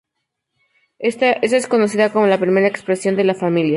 Esa es conocida como la primera expresión de "La Familia".